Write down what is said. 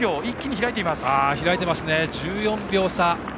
開いていますね、１４秒差。